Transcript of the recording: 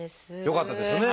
よかったですね。